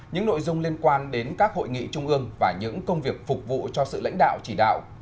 những nội dung liên quan đến các hội nghị trung ương và những công việc phục vụ cho sự lãnh đạo chỉ đạo